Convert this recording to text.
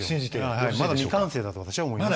はいまだ未完成だと私は思います。